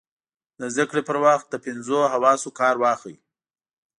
د زده کړې پر وخت له پینځو حواسو کار واخلئ.